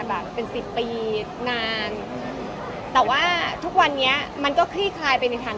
แบบเป็นสิบปีนานแต่ว่าทุกวันนี้มันก็คลี่คลายไปในทาง